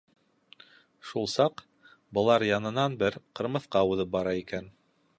Шул саҡ былар янынан бер Ҡырмыҫҡа уҙып бара икән.